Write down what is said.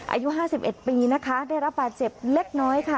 อายุห้าสิบเอ็ดปีนะคะได้รับป่าเจ็บเล็กน้อยค่ะ